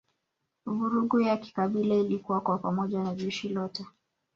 Vurugu ya kikabila ilikua kwa pamoja na jeshi lote